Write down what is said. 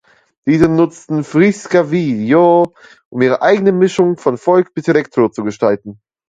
Diese nutzen Friska Viljor, um ihre eigene Mischung von Folk bis Electro zu gestalten.